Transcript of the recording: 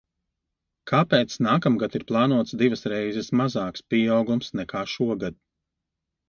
Kāpēc nākamgad ir plānots divas reizes mazāks pieaugums nekā šogad?